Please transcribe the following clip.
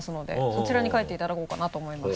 そちらに書いていただこうかなと思います。